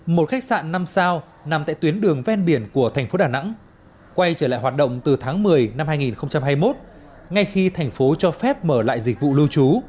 một khách sạn năm sao nằm tại tuyến đường ven biển của thành phố đà nẵng quay trở lại hoạt động từ tháng một mươi năm hai nghìn hai mươi một ngay khi thành phố cho phép mở lại dịch vụ lưu trú